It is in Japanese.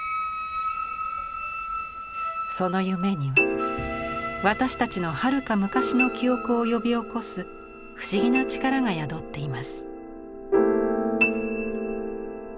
その夢には私たちのはるか昔の記憶を呼び起こす不思議な力が宿っています。